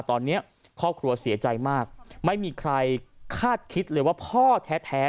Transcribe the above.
ตอนนี้ครอบครัวเสียใจมากไม่มีใครคาดคิดเลยว่าพ่อแท้